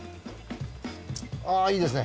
あいいですね。